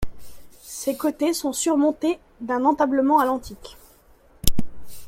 Ses côtés sont surmontés d'un entablement à l'antique.